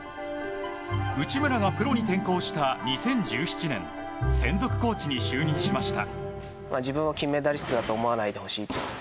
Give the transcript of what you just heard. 内村がプロに転向した２０１７年専属コーチに就任しました。